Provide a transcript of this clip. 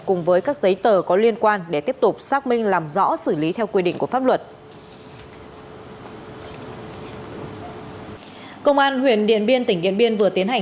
cùng với các giấy tờ có liên quan để tiếp tục xác minh làm rõ xử lý theo quy định của pháp luật